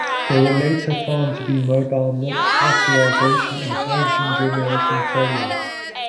They were later found to be mobile milk pasteurization and hydrogen generation trailers.